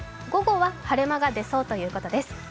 午後は晴れ間が出そうということです。